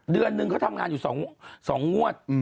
เดือนนึงเขาทำงานอยู่๒งวด